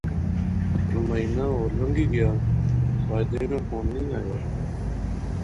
مہینہ ہور لنگی گیا، ساجدے ناں فون نی آیا